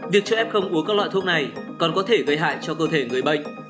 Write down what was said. việc cho f không uống các loại thuốc này còn có thể gây hại cho cơ thể người bệnh